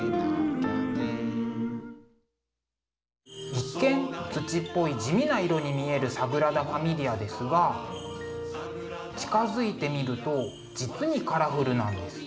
一見土っぽい地味な色に見えるサグラダ・ファミリアですが近づいて見ると実にカラフルなんです。